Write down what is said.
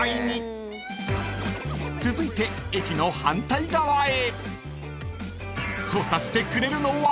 ［続いて駅の反対側へ］